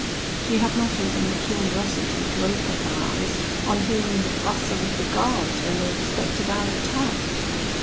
She had not even the curiosity to open her eyes on hearing the bustle of the guards when they expected our attack.